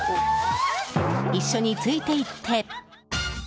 一緒についていって。